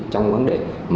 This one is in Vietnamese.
trong vấn đề